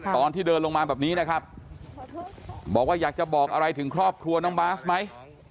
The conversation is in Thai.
ตอนที่เดินลงมาแบบนี้นะครับบอกว่าอยากจะบอกอะไรถึงครอบครัวน้องบาสไหม